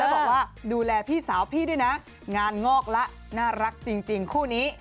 บอกว่าดูแลพี่สาวพี่ด้วยนะงานงอกละน่ารักจริงคู่นี้